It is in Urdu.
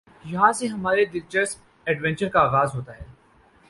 یہاں سے ہمارے دلچسپ ایڈونچر کا آغاز ہوتا ہے ۔